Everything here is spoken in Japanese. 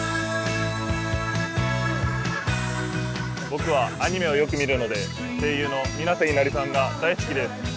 僕はアニメをよく見るので声優の水瀬いのりさんが大好きです。